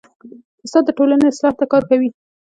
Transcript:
استاد د ټولنې اصلاح ته کار کوي.